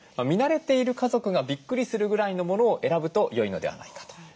見慣れている家族がびっくりするぐらいのものを選ぶと良いのではないかと。